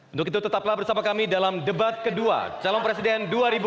untuk itu tetaplah bersama kami dalam debat kedua calon presiden dua ribu dua puluh